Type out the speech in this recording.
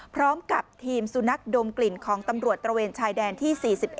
พร้อมกับทีมสุนัขดมกลิ่นของตำรวจตระเวนชายแดนที่๔๑